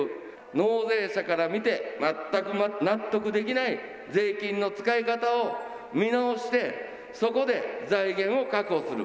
納税者から見て全く納得できない税金の使い方を見直して、そこで財源を確保する。